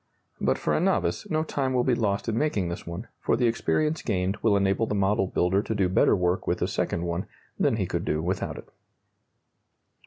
But for a novice, no time will be lost in making this one, for the experience gained will enable the model builder to do better work with the second one than he could do without it.